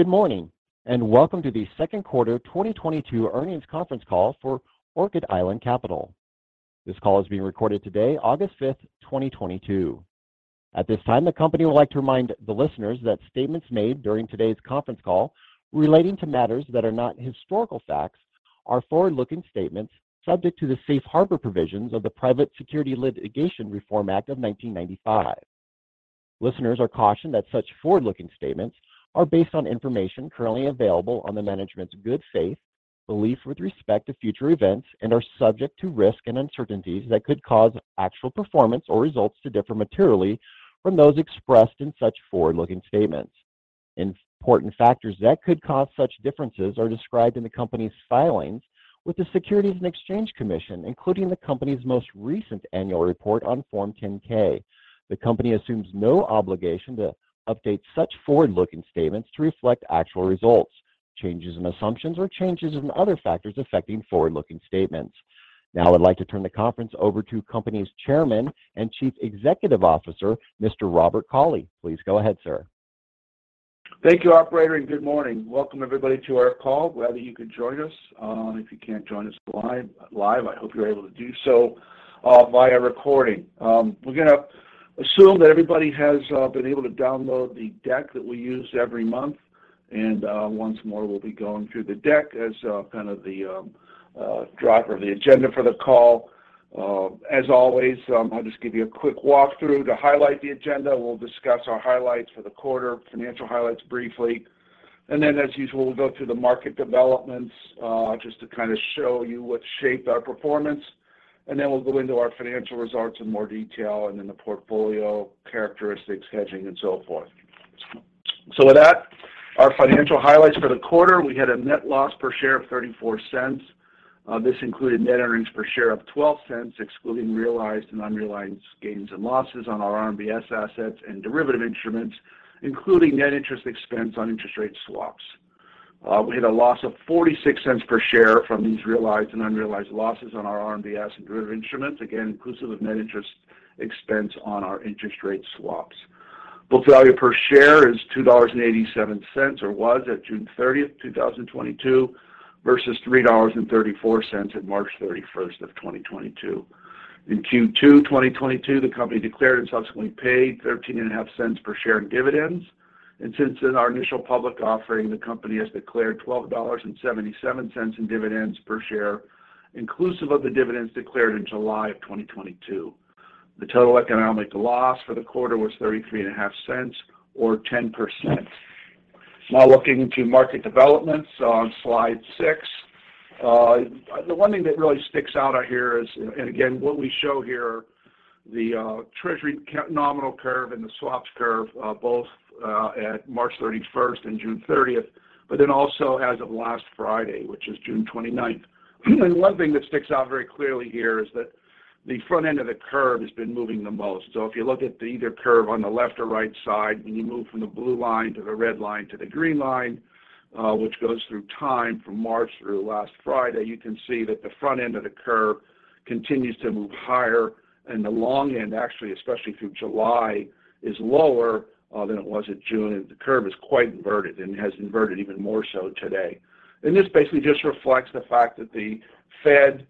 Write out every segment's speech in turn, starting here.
Good morning and welcome to the Second Quarter 2022 Earnings Conference Call for Orchid Island Capital. This call is being recorded today, August 5th, 2022. At this time, the company would like to remind the listeners that statements made during today's conference call relating to matters that are not historical facts are forward-looking statements subject to the safe harbor provisions of the Private Securities Litigation Reform Act of 1995. Listeners are cautioned that such forward-looking statements are based on information currently available on the management's good faith, belief with respect to future events, and are subject to risk and uncertainties that could cause actual performance or results to differ materially from those expressed in such forward-looking statements. Important factors that could cause such differences are described in the company's filings with the Securities and Exchange Commission, including the company's most recent annual report on Form 10-K. The company assumes no obligation to update such forward-looking statements to reflect actual results, changes in assumptions, or changes in other factors affecting forward-looking statements. Now I'd like to turn the conference over to company's Chairman and Chief Executive Officer, Mr. Robert Cauley. Please go ahead, sir. Thank you, operator, and good morning. Welcome everybody to our call, whether you can join us, if you can't join us live, I hope you're able to do so via recording. We're going to assume that everybody has been able to download the deck that we use every month and once more, we'll be going through the deck as kind of the driver of the agenda for the call. As always, I'll just give you a quick walk-through to highlight the agenda. We'll discuss our highlights for the quarter, financial highlights briefly, and then as usual, we'll go through the market developments just to kind of show you what shaped our performance. We'll go into our financial results in more detail and then the portfolio characteristics, hedging, and so forth. With that, our financial highlights for the quarter, we had a net loss per share of $0.34. This included net earnings per share of $0.12, excluding realized and unrealized gains and losses on our RMBS assets and derivative instruments, including net interest expense on interest rate swaps. We had a loss of $0.46 per share from these realized and unrealized losses on our RMBS and derivative instruments, again, inclusive of net interest expense on our interest rate swaps. Book value per share is $2.87 or was at June 30th of 2022, versus $3.34 at March 31st of 2022. In Q2 2022, the company declared and subsequently paid $0.135 per share in dividends. Since then, our initial public offering, the company has declared $12.77 in dividends per share, inclusive of the dividends declared in July of 2022. The total economic loss for the quarter was $0.335 or 10%. Now looking to market developments on slide six. The one thing that really sticks out here is, and again, what we show here, the Treasury nominal curve and the swaps curve, both at March 31st and June 30th, but then also as of last Friday, which is June 29th. One thing that sticks out very clearly here is that the front end of the curve has been moving the most. If you look at the either curve on the left or right side, when you move from the blue line to the red line to the green line, which goes through time from March through last Friday, you can see that the front end of the curve continues to move higher. The long end, actually, especially through July, is lower than it was at June. The curve is quite inverted and has inverted even more so today. This basically just reflects the fact that the Fed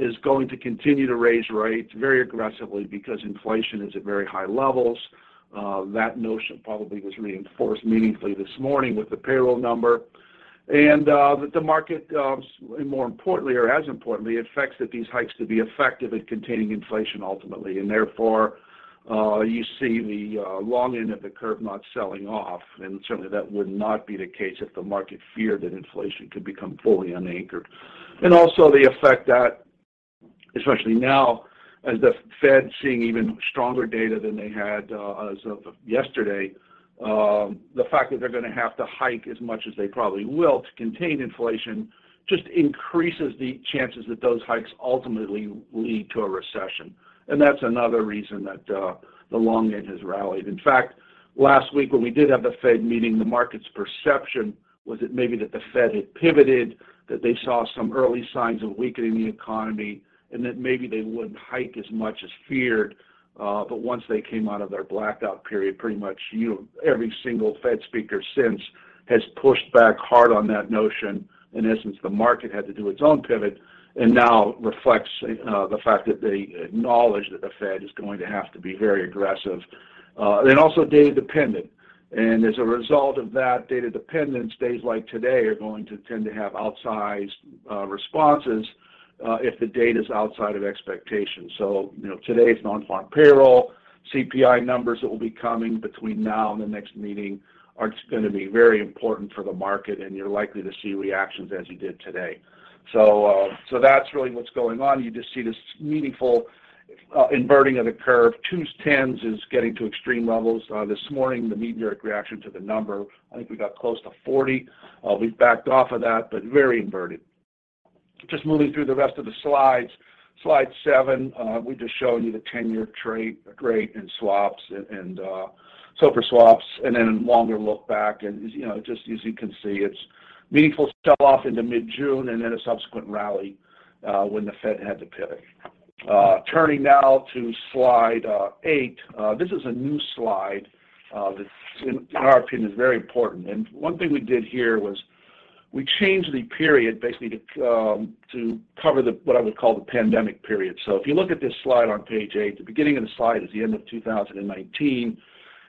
is going to continue to raise rates very aggressively because inflation is at very high levels. That notion probably was reinforced meaningfully this morning with the payroll number. The market, and more importantly or as importantly, expects these hikes to be effective at containing inflation ultimately. Therefore, you see the long end of the curve not selling off. Certainly, that would not be the case if the market feared that inflation could become fully unanchored. Also, the effect that, especially now as the Fed seeing even stronger data than they had, as of yesterday, the fact that they're going to have to hike as much as they probably will to contain inflation just increases the chances that those hikes ultimately lead to a recession. That's another reason that the long end has rallied. In fact, last week when we did have the Fed meeting, the market's perception was that maybe the Fed had pivoted, that they saw some early signs of weakening the economy, and that maybe they wouldn't hike as much as feared. Once they came out of their blackout period, pretty much yield every single Fed speaker since has pushed back hard on that notion. In essence, the market had to do its own pivot and now reflects the fact that they acknowledge that the Fed is going to have to be very aggressive and also data dependent. As a result of that data dependence, days like today are going to tend to have outsized responses if the data is outside of expectations. Today is non-farm payroll, CPI numbers that will be coming between now and the next meeting are just going to be very important for the market, and you're likely to see reactions as you did today. That's really what's going on. You just see this meaningful inverting of the curve. Two 10s is getting to extreme levels. This morning, the meteoric reaction to the number, I think we got close to 40. We've backed off of that but very inverted, just moving through the rest of the slides, slide seven. We just showing you the 10-year rate in swaps and SOFR swaps, and then a longer look back, you know, just as you can see, it's meaningful sell-off into mid-June and then a subsequent rally when the Fed had to pivot. Turning now to slide eight. This is a new slide that's, in our opinion, very important. One thing we did here was we changed the period basically to cover what I would call the pandemic period. If you look at this slide on page eight, the beginning of the slide is the end of 2019.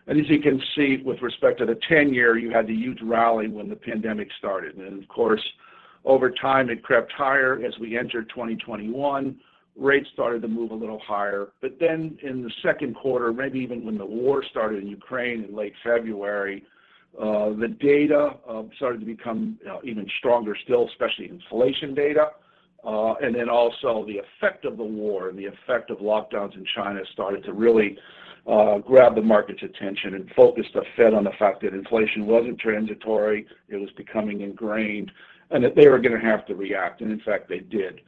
As you can see with respect to the 10-year, you had the huge rally when the pandemic started. Then of course, over time it crept higher as we entered 2021, rates started to move a little higher. Then in the second quarter, maybe even when the war started in Ukraine in late February, the data started to become even stronger still, especially inflation data. Then also the effect of the war and the effect of lockdowns in China started to really grab the market's attention and focus the Fed on the fact that inflation wasn't transitory, it was becoming ingrained, and that they were going to have to react. In fact, they did.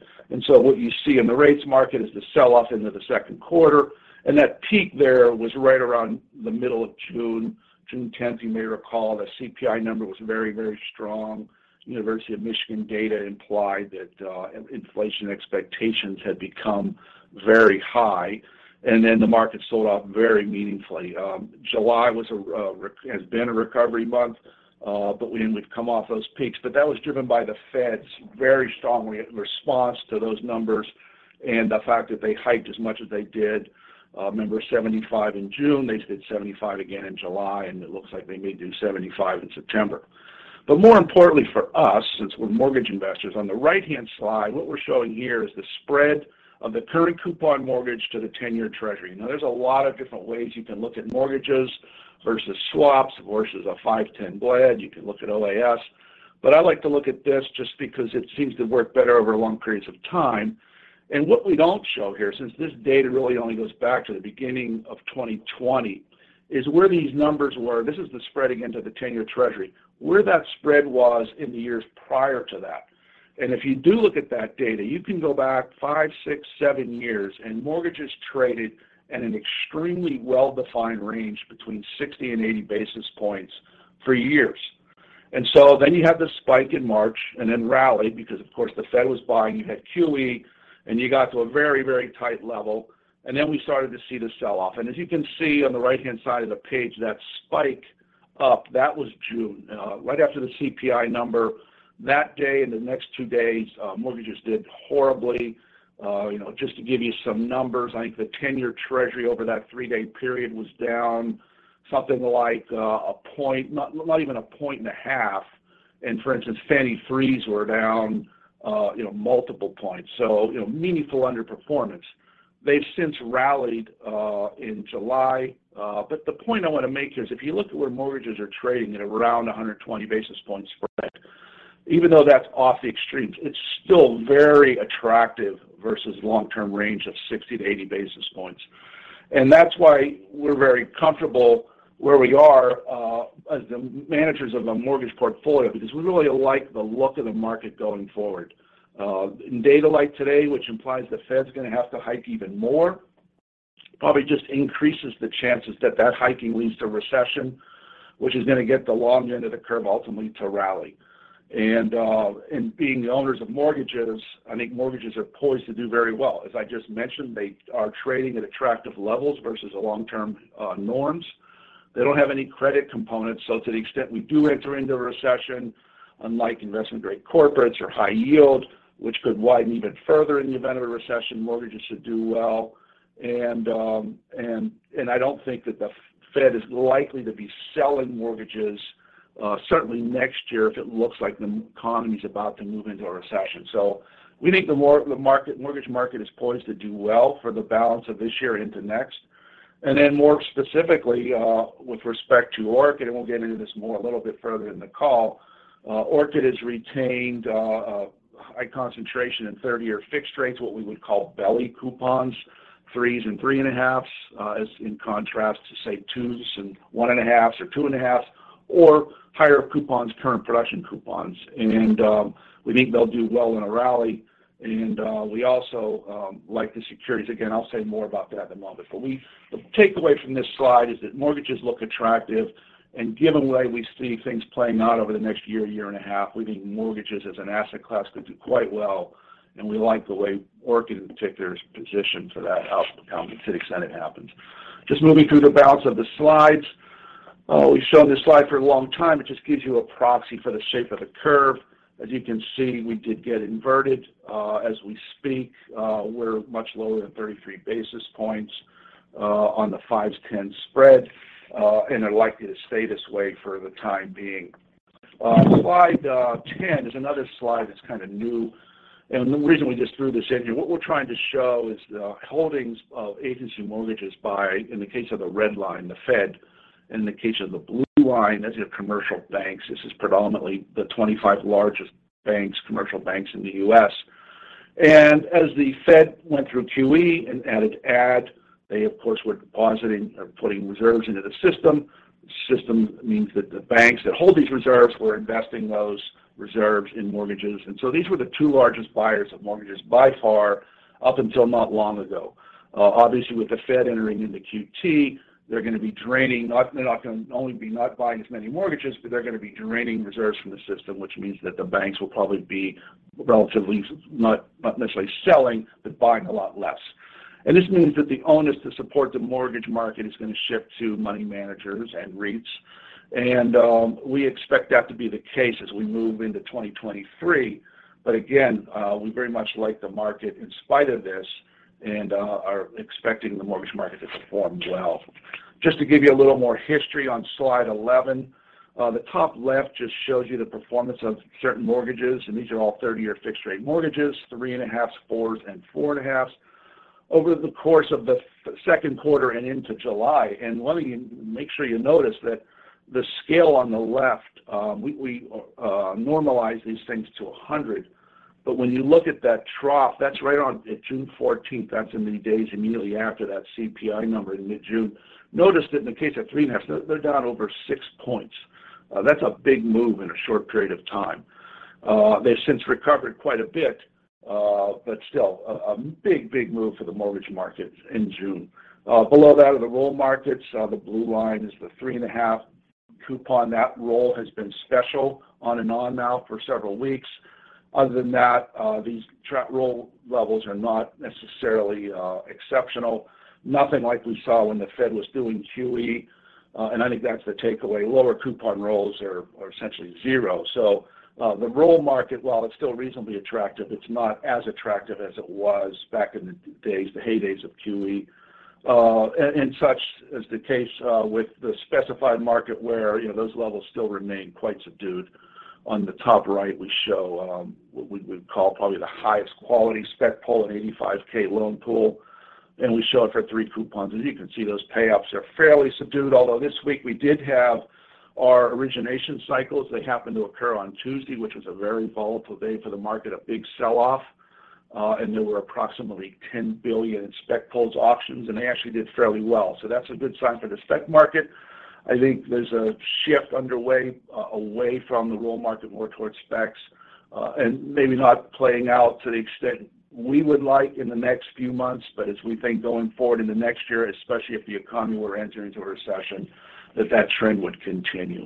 What you see in the rates market is the sell-off into the second quarter. That peak there was right around the middle of June. June 10th, you may recall the CPI number was very, very strong. University of Michigan data implied that inflation expectations had become very high, and then the market sold off very meaningfully. July has been a recovery month but we would come off those peaks. That was driven by the Fed's very strong response to those numbers and the fact that they hiked as much as they did. Remember 75 in June, they did 75 again in July, and it looks like they may do 75 in September. More importantly for us, since we're mortgage investors, on the right-hand slide, what we're showing here is the spread of the current coupon mortgage to the 10-year Treasury. Now, there's a lot of different ways you can look at mortgages versus swaps versus a 5 to 10 spread. You can look at OAS. I like to look at this just because it seems to work better over long periods of time. what we don't show here, since this data really only goes back to the beginning of 2020, is where these numbers were. This is the spreading into the 10-year Treasury, where that spread was in the years prior to that. if you do look at that data, you can go back five years, six years, seven years, and mortgages traded at an extremely well-defined range between 60 basis points and 80 basis points for years. You have the spike in March and then rally because of course the Fed was buying, you had QE, and you got to a very, very tight level. Then we started to see the sell-off. As you can see on the right-hand side of the page, that spike up, that was June right after the CPI number. That day and the next two days, mortgages did horribly, you know, just to give you some numbers. I think the 10-year Treasury over that three-day period was down something like a 1, not even a 1.5. For instance, Fannie 3s were down, you know, multiple points, you know, meaningful underperformance. They've since rallied in July. The point I want to make here is if you look at where mortgages are trading at around 120 basis points spread, even though that's off the extremes, it's still very attractive versus long-term range of 60 basis points to 80 basis points. That's why we're very comfortable where we are as the managers of the mortgage portfolio because we really like the look of the market going forward. Data like today, which implies the Fed's going to have to hike even more, probably just increases the chances that that hiking leads to recession, which is going to get the long end of the curve ultimately to rally. Being the owners of mortgages, I think mortgages are poised to do very well. As I just mentioned, they are trading at attractive levels versus the long-term norms. They don't have any credit components, so to the extent we do enter into a recession, unlike investment-grade corporates or high yield, which could widen even further in the event of a recession, mortgages should do well. I don't think that the Fed is likely to be selling mortgages, certainly next year if it looks like the economy's about to move into a recession. We think the mortgage market is poised to do well for the balance of this year into next. More specifically, with respect to Orchid, and we'll get into this more a little bit further in the call, Orchid has retained high concentration in 30-year fixed rates, what we would call belly coupons, 3s and 3.5s, as in contrast to, say, 2s and 1.5s or 2.5s or higher coupons, current production coupons. We think they'll do well in a rally. We also like the securities. Again, I'll say more about that in a moment. The takeaway from this slide is that mortgages look attractive and given the way we see things playing out over the next year, 1.5 years, we think mortgages as an asset class could do quite well. We like the way Orchid in particular is positioned for that outcome to the extent it happens. Just moving through the balance of the slides. We've shown this slide for a long time. It just gives you a proxy for the shape of the curve. As you can see, we did get inverted. As we speak, we're much lower than 33 basis points on the 5 to 10 spread and are likely to stay this way for the time being. Slide 10 is another slide that's kind of new. The reason we just threw this in here, what we're trying to show is the holdings of agency mortgages by, in the case of the red line, the Fed. In the case of the blue line, that's your commercial banks. This is predominantly the 25 largest banks, commercial banks in the U.S. As the Fed went through QE and added add, they of course were depositing or putting reserves into the system. The system means that the banks, their holding reserves, were investing those reserves in mortgages. These were the two largest buyers of mortgages by far up until not long ago. Obviously with the Fed entering into QT, they're going to be draining, they're not going to only be not buying as many mortgages, but they're going to be draining reserves from the system, which means that the banks will probably be relatively not necessarily selling, but buying a lot less. This means that the onus to support the mortgage market is going to shift to money managers and REITs and we expect that to be the case as we move into 2023. Again, we very much like the market in spite of this and are expecting the mortgage market to perform well. To give you a little more history on slide 11, the top left just shows you the performance of certain mortgages, and these are all 30-year fixed rate mortgages, 3.5s, 4s, and 4.5s over the course of the second quarter and into July. Let me make sure you notice that the scale on the left, we normalize these things to 100, but when you look at that trough, that's right on June 14th. That's in the days immediately after that CPI number in mid-June. Notice that in the case of 3.5, they're down over six points. That's a big move in a short period of time. They've since recovered quite a bit, but still a big move for the mortgage market in June. Below that are the roll markets. The blue line is the 3.5 coupon. That roll has been special on and on now for several weeks. Other than that, these roll levels are not necessarily exceptional. Nothing like we saw when the Fed was doing QE, and I think that's the takeaway, lower coupon rolls are essentially zero. The roll market, while it's still reasonably attractive, it's not as attractive as it was back in the days, the heydays of QE. Such is the case with the specified market where, you know, those levels still remain quite subdued. On the top right, we show what we would call probably the highest quality spec pool, an 85K loan pool, and we show it for three coupons. As you can see, those payoffs are fairly subdued, although this week we did have our origination cycles. They happened to occur on Tuesday, which was a very volatile day for the market, a big sell-off, and there were approximately $10 billion in spec pool auctions, and actually did fairly well. That's a good sign for the spec market. I think there's a shift underway away from the roll market, more towards specs, and maybe not playing out to the extent we would like in the next few months. As we think going forward in the next year, especially if the economy were entering into a recession, that trend would continue.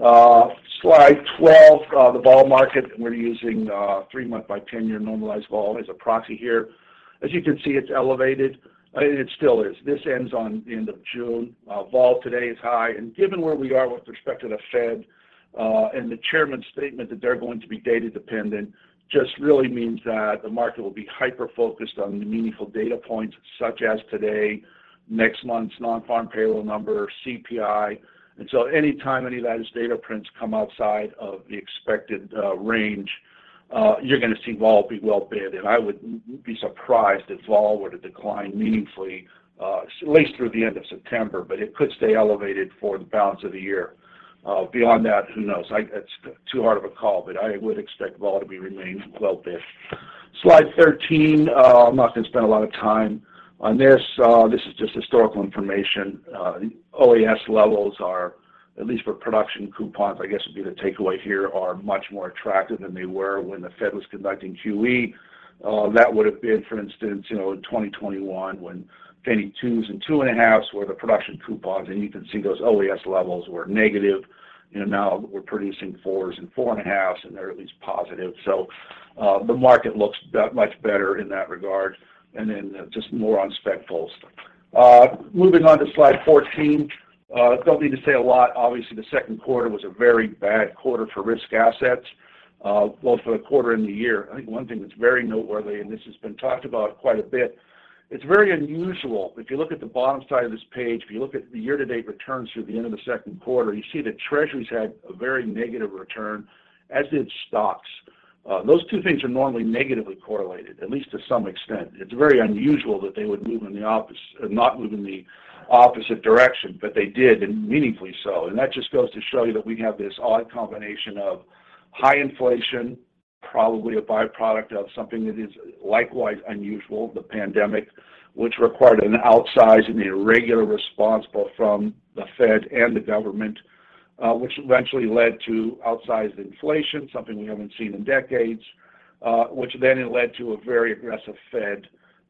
Slide 12, the Vol market, and we're using three-month by 10-year normalized vol as a proxy here. As you can see, it's elevated and it still is. This ends on the end of June. Vol today is high, and given where we are with respect to the Fed, and the chairman's statement that they're going to be data dependent, just really means that the market will be hyper-focused on meaningful data points such as today, next month's non-farm payroll number, CPI. Any time any of those data prints come outside of the expected range, you're going to see Vol be well bid. I would be surprised if Vol were to decline meaningfully at least through the end of September, but it could stay elevated for the balance of the year. Beyond that, who knows? Its too hard of a call, but I would expect Vol to be remaining well bid. Slide 13, I'm not going to spend a lot of time on this. This is just historical information. OAS levels are, at least for production coupons would be the takeaway here, are much more attractive than they were when the Fed was conducting QE. That would have been, for instance, you know, in 2021 when Fannie 2s and 2.5s were the production coupons, and you can see those OAS levels were negative. Now we're producing 4s and 4.5s, and they're at least positive. The market looks that much better in that regard. Then just more on spec pools. Moving on to Slide 14. Don't need to say a lot. Obviously, the second quarter was a very bad quarter for risk assets, well for the quarter, and the year. I think one thing that's very noteworthy, and this has been talked about quite a bit. It's very unusual, if you look at the bottom side of this page, if you look at the year-to-date returns through the end of the second quarter, you see that Treasuries had a very negative return, as did stocks. Those two things are normally negatively correlated at least to some extent. It's very unusual that they would not move in the opposite direction, but they did, and meaningfully so. That just goes to show you that we have this odd combination of high inflation, probably a byproduct of something that is likewise unusual, the pandemic, which required an outsize and irregular response both from the Fed and the government, which eventually led to outsized inflation, something we haven't seen in decades, which then it led to a very aggressive Fed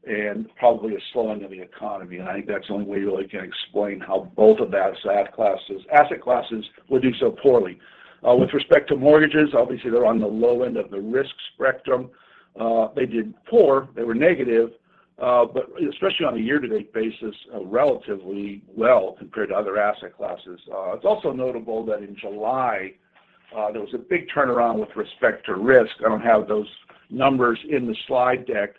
and probably a slowing of the economy. I think that's the only way you really can explain how both of that asset classes would do so poorly. With respect to mortgages, obviously, they're on the low end of the risk spectrum. They did poor. They were negative, but especially on a year-to-date basis, relatively well compared to other asset classes. It's also notable that in July, there was a big turnaround with respect to risk. I don't have those numbers in the slide deck,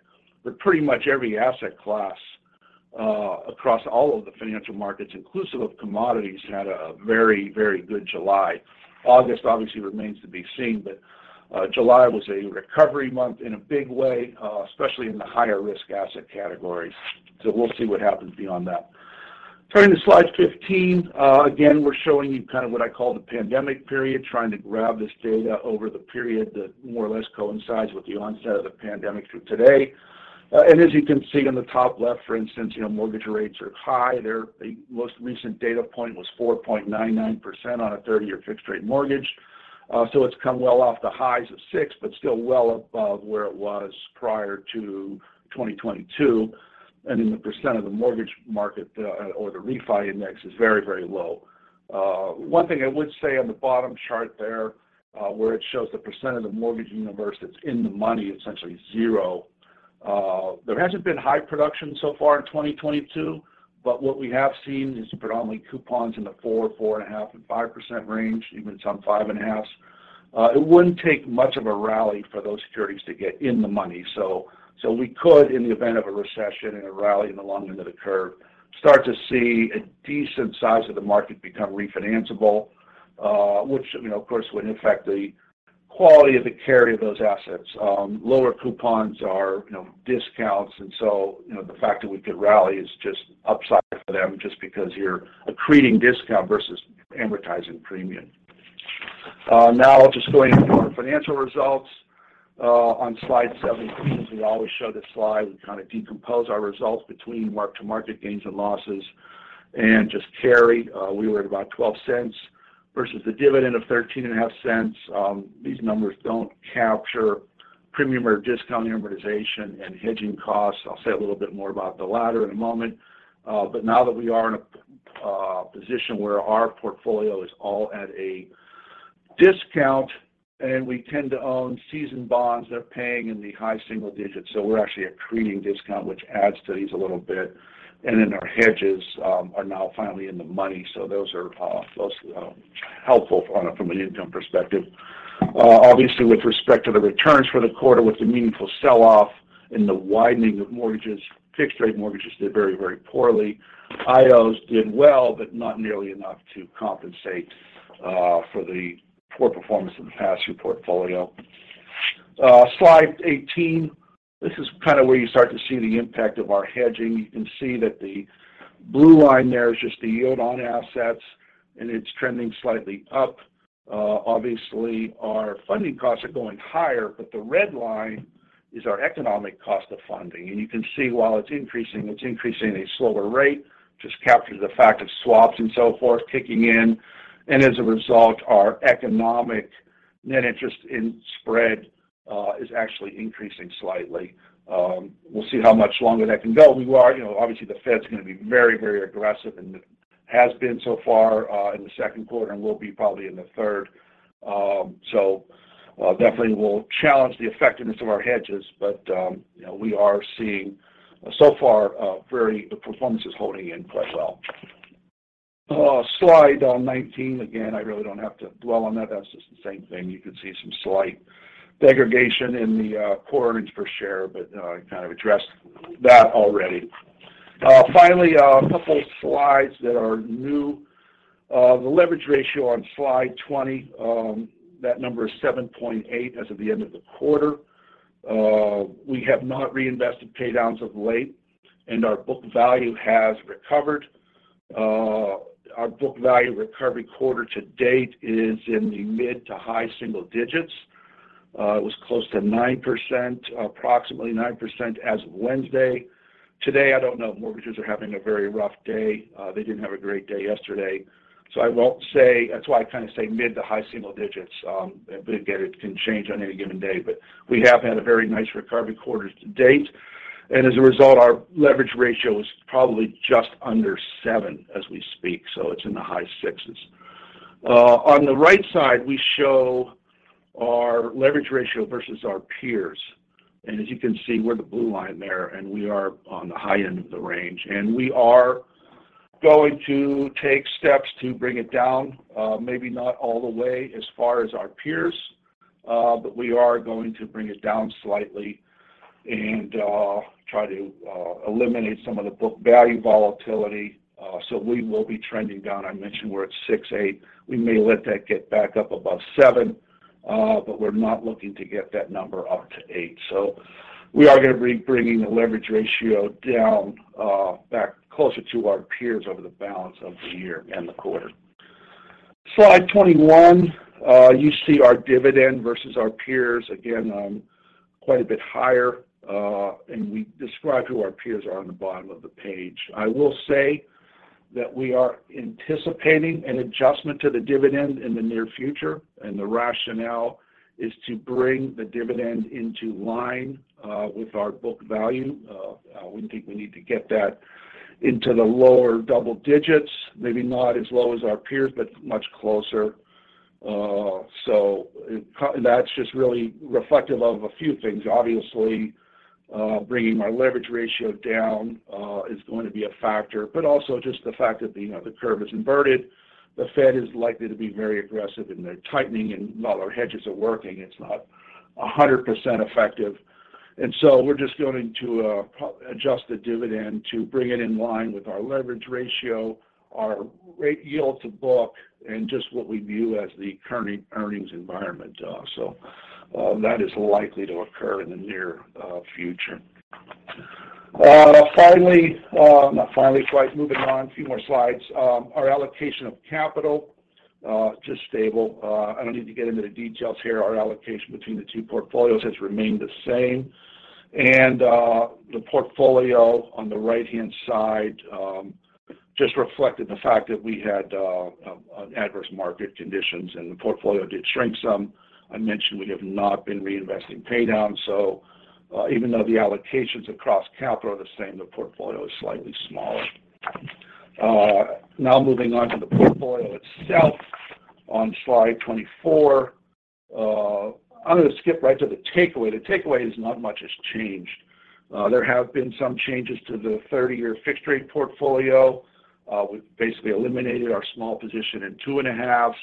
but pretty much every asset class across all of the financial markets, inclusive of commodities, had a very, very good July. August, obviously, remains to be seen, but July was a recovery month in a big way, especially in the higher risk asset categories. So we'll see what happens beyond that. Turning to slide 15, again, we're showing you kind of what I call the pandemic period, trying to grab this data over the period that more or less coincides with the onset of the pandemic through today. As you can see on the top left, for instance, you know, mortgage rates are high. Their most recent data point was 4.99% on a 30-year fixed-rate mortgage. It's come well off the highs of 6%, but still well above where it was prior to 2022, and in the percent of the mortgage market, or the refi index is very, very low. One thing I would say on the bottom chart there, where it shows the percent of the mortgage universe that's in the money, essentially zero. There hasn't been high production so far in 2022, but what we have seen is predominantly coupons in the 4.5, and 5% range, even some 5.5s. It wouldn't take much of a rally for those securities to get in the money. We could, in the event of a recession, and a rally in the long end of the curve, start to see a decent size of the market become refinancable, which, you know, of course, would affect the quality of the carry of those assets. Lower coupons are, you know, discounts. The fact that we could rally is just upside for them, just because you're accreting discount versus amortizing premium. Now just going into our financial results on slide 17. As we always show this slide, we kind of decompose our results between mark-to-market gains and losses, and just carry, we were at about $0.12 versus the dividend of $0.135. These numbers don't capture premium or discount amortization and hedging costs. I'll say a little bit more about the latter in a moment. Now that we are in a position where our portfolio is all at a discount and we tend to own seasoned bonds that are paying in the high-single digits. We're actually accreting discount, which adds to these a little bit, and then our hedges are now finally in the money. Those are helpful from an income perspective. Obviously, with respect to the returns for the quarter, with the meaningful sell-off and the widening of mortgages, fixed rate mortgages did very, very poorly. IOs did well, but not nearly enough to compensate for the poor performance in the pass-through portfolio. Slide 18, this is kind of where you start to see the impact of our hedging. You can see that the blue line there is just the yield on assets and it's trending slightly up. Obviously, our funding costs are going higher but the red line is our economic cost of funding. You can see while it's increasing, it's increasing at a slower rate, just captures the fact of swaps and so forth kicking in. As a result, our economic net interest spread is actually increasing slightly. We'll see how much longer that can go. Obviously, the Fed's going to be very, very aggressive and has been so far in the second quarter and will be probably in the third quarter. Definitely, we'll challenge the effectiveness of our hedges but, you know, we are seeing so far the performance is holding up quite well. Slide 19, again, I really don't have to dwell on that. That's just the same thing. You can see some slight degradation in the core earnings per share but I kind of addressed that already. Finally, a couple slides that are new. The leverage ratio on slide 20, that number is 7.8 as of the end of the quarter. We have not reinvested paydowns of late and our book value has recovered. Our book value recovery quarter-to-date is in the mid-to-high single digits. It was close to 9%, approximately 9% as of Wednesday. Today, I don't know if mortgages are having a very rough day. They didn't have a great day yesterday. I won't say. That's why I kind of say mid-to-high single digits. But again, it can change on any given day. We have had a very nice recovery quarter-to-date. As a result, our leverage ratio is probably just under 7 as we speak. It's in the high 6s. On the right side, we show our leverage ratio versus our peers. As you can see, we're the blue line there and we are on the high end of the range. We are going to take steps to bring it down, maybe not all the way as far as our peers, but we are going to bring it down slightly, and try to eliminate some of the book value volatility. We will be trending down. I mentioned we're at 6.8. We may let that get back up above 7, but we're not looking to get that number up to 8. We are going to be bringing the leverage ratio down, back closer to our peers over the balance of the year and the quarter. Slide 21, you see our dividend versus our peers. Again, quite a bit higher, and we describe who our peers are on the bottom of the page. I will say that we are anticipating an adjustment to the dividend in the near future, and the rationale is to bring the dividend into line with our book value. We think we need to get that into the lower double-digits, maybe not as low as our peers, but much closer. That's just really reflective of a few things. Obviously, bringing our leverage ratio down is going to be a factor, but also just the fact that, you know, the curve is inverted, the Fed is likely to be very aggressive, and they're tightening, and while our hedges are working, it's not 100% effective. We're just going to adjust the dividend to bring it in line with our leverage ratio, our rate yield to book, and just what we view as the current earnings environment. That is likely to occur in the near future. Finally, moving on a few more slides. Our allocation of capital, just stable. I don't need to get into the details here. Our allocation between the two portfolios has remained the same. The portfolio on the right-hand side just reflected the fact that we had adverse market conditions and the portfolio did shrink some. I mentioned we have not been reinvesting pay down so even though the allocations across categories are the same, the portfolio is slightly smaller. Now moving on to the portfolio itself on slide 24. I'm going to skip right to the takeaway. The takeaway is not much has changed. There have been some changes to the 30-year fixed-rate portfolio. We've basically eliminated our small position in 2.5s.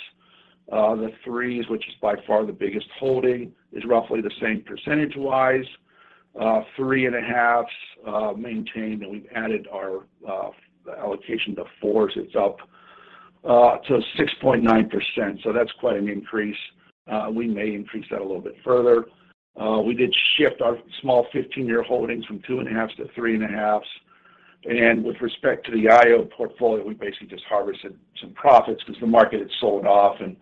The 3s, which is by far the biggest holding, is roughly the same percentage-wise. 3.5 maintained, and we've added the allocation to 4 so it's up to 6.9%. That's quite an increase. We may increase that a little bit further. We did shift our 30-year holdings from 2.5s to 3.5s. With respect to the IO portfolio, we basically just harvested some profits because the market had sold off, and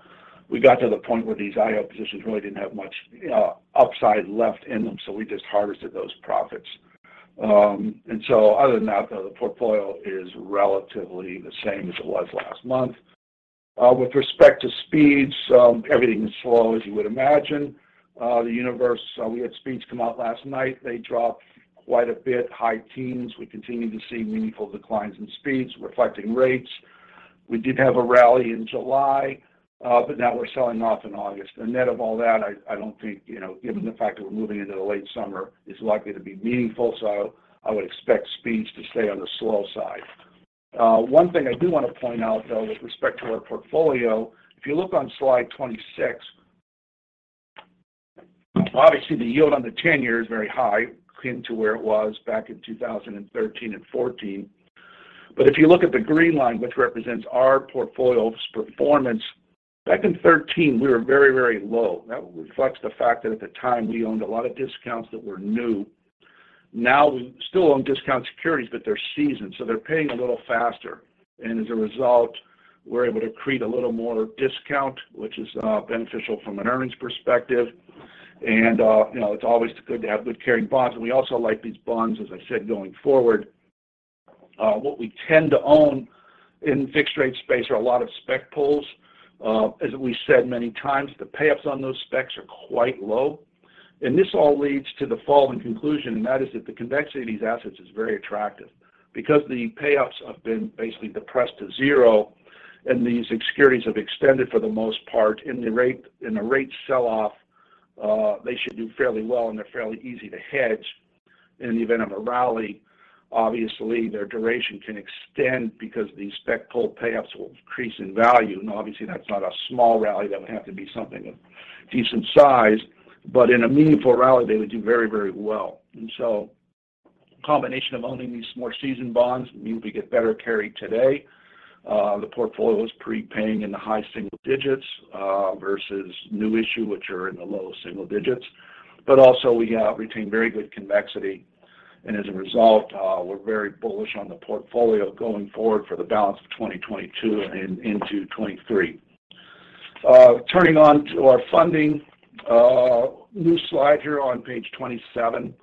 we got to the point where these IO positions really didn't have much upside left in them, so we just harvested those profits. Other than that, the portfolio is relatively the same as it was last month. With respect to speeds, everything is slow, as you would imagine. The universe, we had speeds come out last night. They dropped quite a bit, high teens. We continue to see meaningful declines in speeds, reflecting rates. We did have a rally in July but now we're selling off in August. The net of all that, I don't think, you know, given the fact that we're moving into the late summer, is likely to be meaningful. I would expect speeds to stay on the slow side. One thing I do want to point out, though, with respect to our portfolio, if you look on slide 26, obviously the yield on the 10-year is very high, akin to where it was back in 2013 and 2014. If you look at the green line, which represents our portfolio's performance, back in 2013 we were very, very low. That reflects the fact that at the time we owned a lot of discounts that were new. Now we still own discount securities, but they're seasoned, so they're paying a little faster. As a result, we're able to accrete a little more discount, which is beneficial from an earnings perspective. It's always good to have good carrying bonds, and we also like these bonds, as I said, going forward. What we tend to own in fixed-rate space are a lot of spec pools. As we said many times, the payoffs on those specs are quite low. This all leads to the following conclusion, and that is that the convexity of these assets is very attractive because the payoffs have been basically depressed to zero, and these securities have extended for the most part. In a rate sell-off, they should do fairly well and they're fairly easy to hedge. In the event of a rally, obviously, their duration can extend because the spec pool payoffs will increase in value. Obviously, that's not a small rally. That would have to be something of decent size. In a meaningful rally, they would do very, very well. Combination of owning these more seasoned bonds means we get better carry today. The portfolio is prepaying in the high single digits versus new issue, which are in the low single digits. Also, we retain very good convexity. As a result, we're very bullish on the portfolio going forward for the balance of 2022 and into 2023. Turning to our funding, a new slide here on page 27.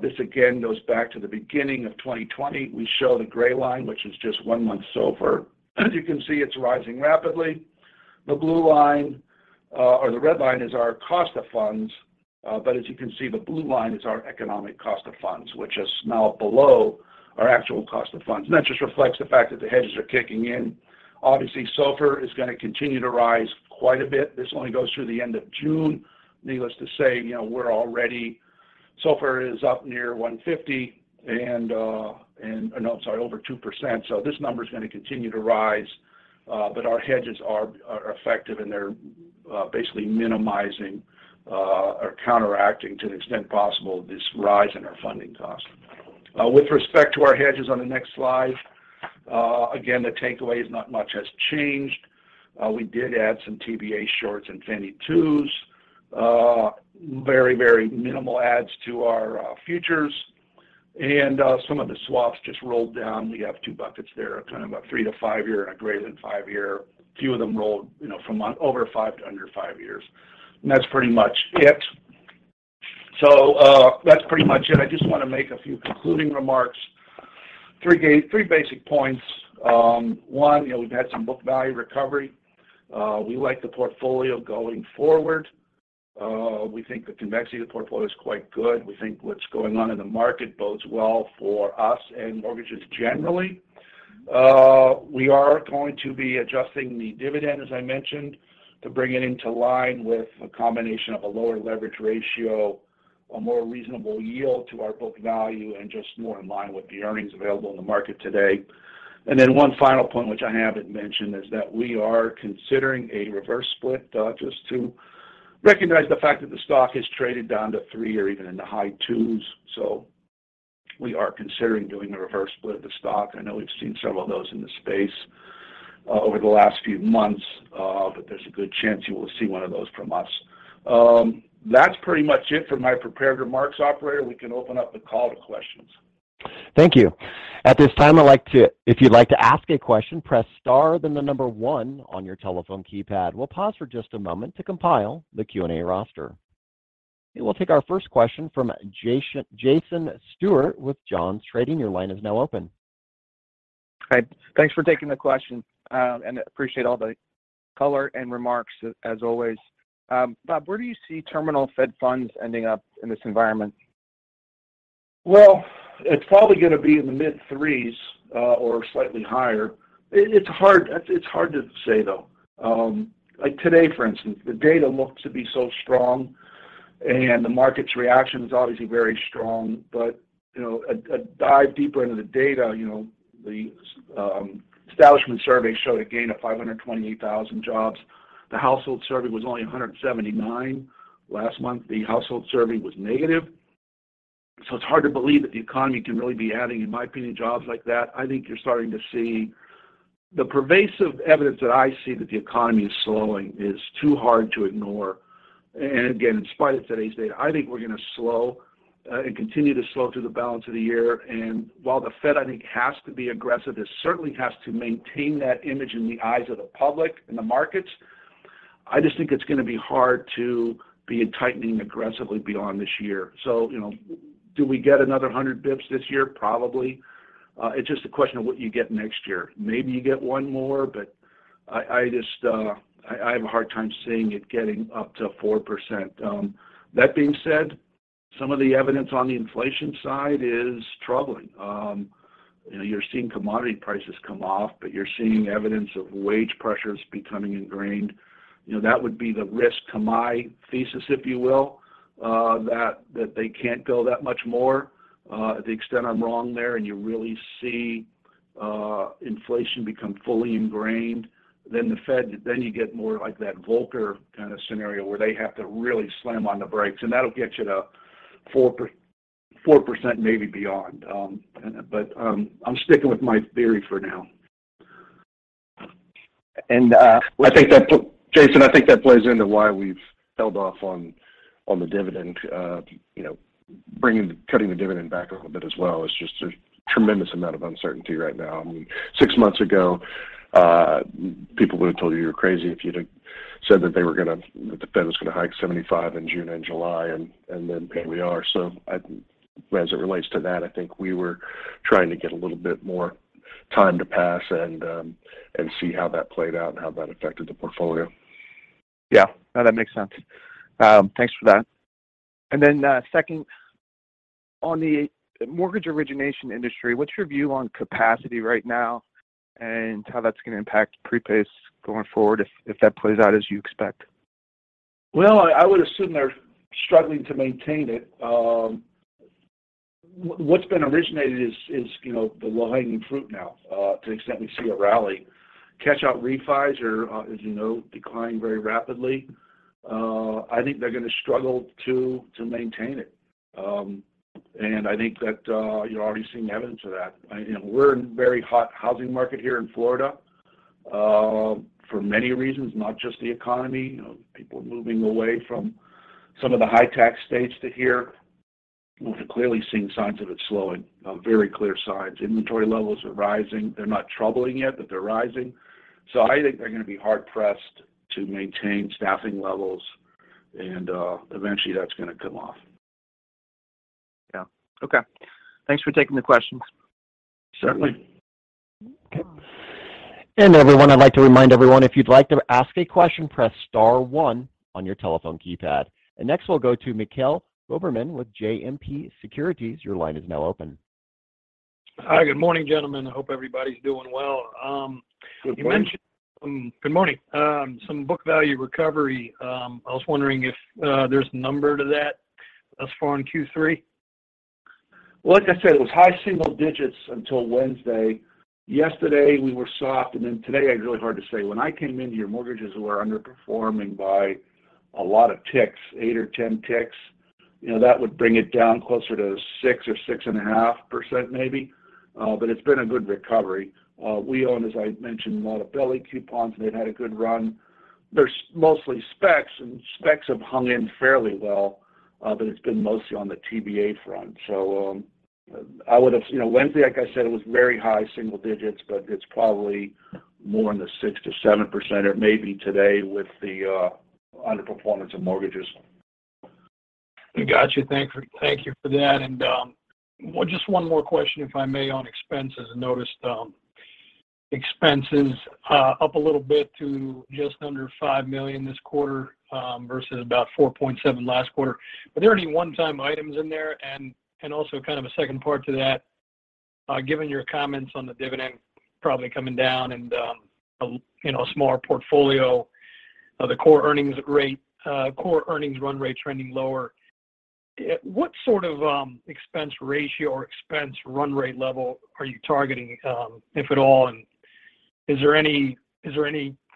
This again goes back to the beginning of 2020. We show the gray line, which is just one-month SOFR. As you can see, it's rising rapidly. The blue line or the red line is our cost of funds. As you can see, the blue line is our economic cost of funds, which is now below our actual cost of funds. That just reflects the fact that the hedges are kicking in. Obviously, SOFR is going to continue to rise quite a bit. This only goes through the end of June. Needless to say, you know, we're already, SOFR is over 2%. This number is going to continue to rise. Our hedges are effective, and they're basically minimizing, or counteracting to the extent possible this rise in our funding costs. With respect to our hedges on the next slide, again, the takeaway is not much has changed. We did add some TBA shorts and Fannie 2s, very, very minimal adds to our futures. Some of the swaps just rolled down. We have two buckets there, kind of a three year to five year and a greater than five year. A few of them rolled, you know, from over five years to under five years. That's pretty much it. That's pretty much it. I just want to make a few concluding remarks. Three basic points, one, you know, we've had some book value recovery. We like the portfolio going forward. We think the convexity of the portfolio is quite good. We think what's going on in the market bodes well for us and mortgages generally. We are going to be adjusting the dividend, as I mentioned to bring it into line with a combination of a lower leverage ratio, a more reasonable yield to our book value, and just more in line with the earnings available in the market today. Then one final point which I haven't mentioned is that we are considering a reverse split, just to recognize the fact that the stock has traded down to 3 or even in the high 2s. We are considering doing a reverse split of the stock. I know we've seen several of those in the space over the last few months. There's a good chance you will see one of those from us. That's pretty much it for my prepared remarks, operator. We can open up the call to questions. Thank you. At this time, if you'd like to ask a question, press star, then the number one on your telephone keypad. We'll pause for just a moment to compile the Q&A roster. We'll take our first question from Jason Stewart with Jones Trading. Your line is now open. Hi. Thanks for taking the question, and appreciate all the color and remarks as always. Bob, where do you see terminal Fed funds ending up in this environment? Well, it's probably going to be in the mid-threes or slightly higher. It's hard to say, though. Today, for instance, the data looks to be so strong, and the market's reaction is, obviously, very strong. A dive deeper into the data, you know, the establishment survey showed a gain of 528,000 jobs. The household survey was only 179. Last month, the household survey was negative. It's hard to believe that the economy can really be adding, in my opinion, jobs like that. I think you're starting to see, the pervasive evidence that I see that the economy is slowing is too hard to ignore. Again, in spite of today's data, I think we're going to slow, and continue to slow through the balance of the year. While the Fed, I think, has to be aggressive, it certainly has to maintain that image in the eyes of the public and the markets. I just think it's going to be hard to be tightening aggressively beyond this year. Do we get another 100 bips this year? Probably. It's just a question of what you get next year. Maybe you get one more, but I just have a hard time seeing it getting up to 4%. With that being said, some of the evidence on the inflation side is troubling. You're seeing commodity prices come off, but you're seeing evidence of wage pressures becoming ingrained. That would be the risk to my thesis, if you will, that they can't go that much more. To the extent I'm wrong there, and you really see inflation become fully ingrained, then the Fed, then you get more like that Volcker kind of scenario where they have to really slam on the brakes. That'll get you to 4%, maybe beyond. I'm sticking with my theory for now Well, I think that Jason, I think that plays into why we've held off on the dividend, you know, cutting the dividend back a little bit as well. It's just there's tremendous amount of uncertainty right now. I mean, six months ago, people would have told you, you were crazy if you'd have said that the Fed was going to hike 75 in June and July, and then here we are. As it relates to that, I think we were trying to get a little bit more time to pass and see how that played out and how that affected the portfolio. Yeah. No, that makes sense. Thanks for that, and then second, on the mortgage origination industry, what's your view on capacity right now? How that's going to impact prepays going forward if that plays out as you expect? Well, I would assume they're struggling to maintain it. What's been originated is, you know, the low-hanging fruit now, to the extent we see a rally. Cash-out refis are, as you know, declining very rapidly. I think they're going to struggle to maintain it. And I think that, you're already seeing evidence of that. We're in a very hot housing market here in Florida, for many reasons, not just the economy, you know, people moving away from some of the high-tax states to here. We're clearly seeing signs of it slowing, very clear signs. Inventory levels are rising. They're not troubling yet but they're rising. I think they're going to be hard-pressed to maintain staffing levels and eventually that's going to come off. Yeah. Okay. Thanks for taking the questions. Certainly. Okay. Everyone, I'd like to remind everyone, if you'd like to ask a question, press star one on your telephone keypad. Next we'll go to Mikhail Goberman with JMP Securities. Your line is now open. Hi, good morning, gentlemen. I hope everybody's doing well. Good morning. Good morning. Some book value recovery. I was wondering if there's a number to that thus far in Q3. Well, like I said, it was high single digits until Wednesday. Yesterday we were soft, and then today it's really hard to say. When I came in here, mortgages were underperforming by a lot of ticks, 8 or 10 ticks. That would bring it down closer to 6% or 6.5% maybe. But it's been a good recovery. We own, as I mentioned, a lot of belly coupons, and they've had a good run. They're mostly specs, and specs have hung in fairly well, but it's been mostly on the TBA front. I would have, you know, Wednesday, like I said, it was very high single-digits, but it's probably more in the 6% to 7% or maybe today with the underperformance of mortgages. Got you. Thank you for that and well, just one more question, if I may, on expenses. I noticed expenses up a little bit to just under $5 million this quarter versus about $4.7 million last quarter. Were there any one-time items in there? And also kind of a second part to that, given your comments on the dividend probably coming down and, you know, a smaller portfolio, the core earnings run rate trending lower, what sort of expense ratio or expense run rate level are you targeting, if at all? Are there any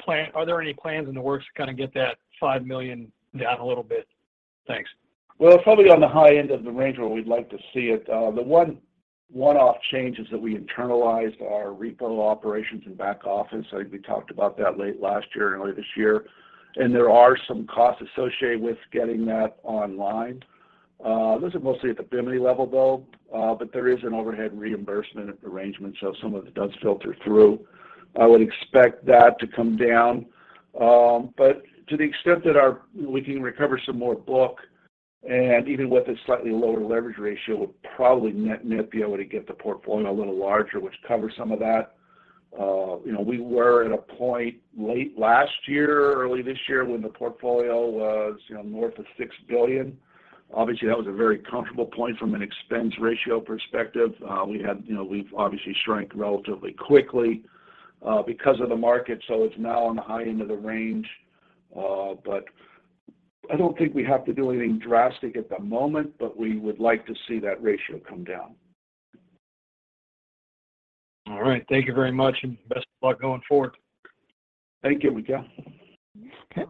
plans in the works to kind of get that $5 million down a little bit? Thanks. Well, it's probably on the high end of the range where we'd like to see it. The one-off change is that we internalized our repo operations and back office. I think we talked about that late last year and early this year. There are some costs associated with getting that online. Those are mostly at the Bimini level though. There is an overhead reimbursement arrangement so some of it does filter through. I would expect that to come down. To the extent that we can recover some more book, and even with a slightly lower leverage ratio, we'll probably net be able to get the portfolio a little larger, which covers some of that. We were at a point late last year, early this year, when the portfolio was, you know, north of $6 billion. Obviously, that was a very comfortable point from an expense ratio perspective. We had, you know, we've obviously shrunk relatively quickly, because of the market, so it's now on the high end of the range. I don't think we have to do anything drastic at the moment but we would like to see that ratio come down. All right. Thank you very much and best of luck going forward. Thank you, Mikhail. Okay.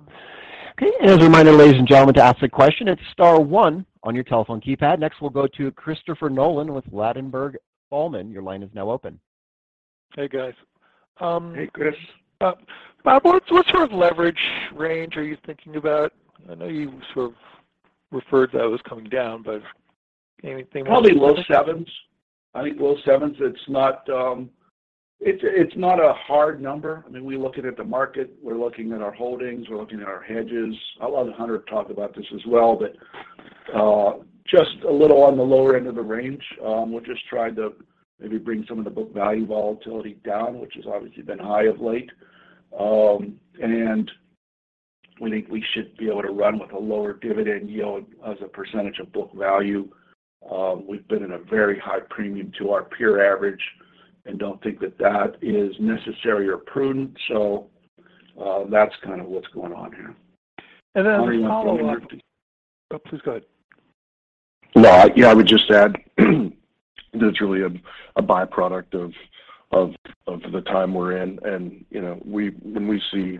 As a reminder, ladies and gentlemen, to ask a question, it's star one on your telephone keypad. Next, we'll go to Christopher Nolan with Ladenburg Thalmann. Your line is now open. Hey, guys. Hey, Chris. Bob, what sort of leverage range are you thinking about? I know you sort of referred that it was coming down, but anything else? Probably low 7s. I think low 7s. It's not a hard number. I mean, we're looking at the market, we're looking at our holdings, we're looking at our hedges. I'll let Hunter talk about this as well, but just a little on the lower end of the range. We're just trying to maybe bring some of the book value volatility down, which has obviously been high of late. We think we should be able to run with a lower dividend yield as a percentage of book value. We've been in a very high premium to our peer average and don't think that is necessary or prudent. That's kind of what's going on here. As a follow-up. Hunter, you want to. Oh, please go ahead. No, yeah, I would just add that it's really a by-product of the time we're in. You know, when we see,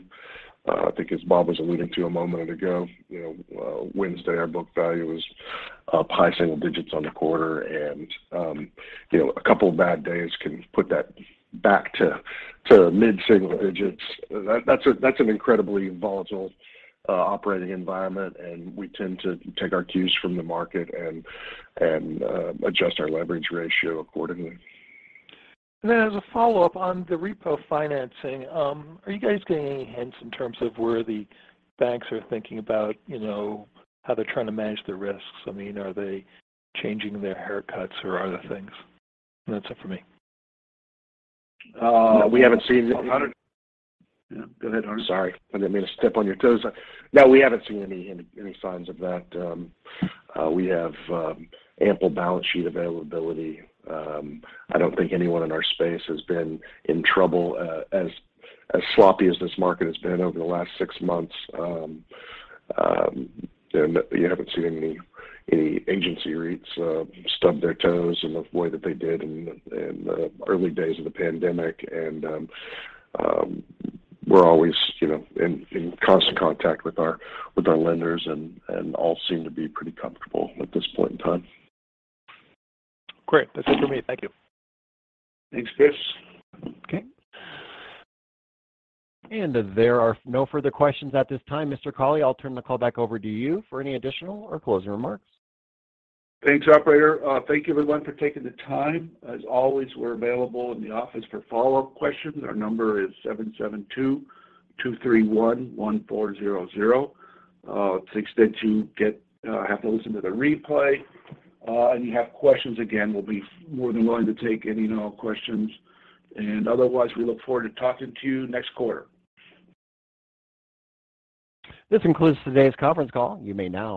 I think as Bob was alluding to a moment ago, you know, Wednesday our book value was high single digits on the quarter and, you know, a couple of bad days can put that back to mid-single digits. That's an incredibly volatile operating environment and we tend to take our cues from the market and adjust our leverage ratio accordingly. Then as a follow-up on the repo financing, are you guys getting any hints in terms of where the banks are thinking about, you know, how they're trying to manage their risks? I mean, are they changing their haircuts or other things? That's it for me. We haven't seen. Go ahead, Hunter. Sorry. I didn't mean to step on your toes. No, we haven't seen any signs of that. We have ample balance sheet availability. I don't think anyone in our space has been in trouble. As sloppy as this market has been over the last six months, and you haven't seen any agency REITs stub their toes in the way that they did in the early days of the pandemic. We're always, you know, in constant contact with our lenders and all seem to be pretty comfortable at this point in time. Great. That's it for me. Thank you. Thanks, Chris. Okay. There are no further questions at this time. Mr. Cauley, I'll turn the call back over to you for any additional or closing remarks. Thanks, operator. Thank you everyone for taking the time. As always, we're available in the office for follow-up questions. Our number is 772-231-1400. To the extent you have to listen to the replay, and you have questions, again, we'll be more than willing to take any and all questions. Otherwise, we look forward to talking to you next quarter. This concludes today's conference call. You may now disconnect.